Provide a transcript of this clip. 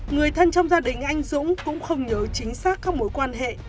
người thân trong gia đình anh dũng cũng không nhớ chính xác các mối quan hệ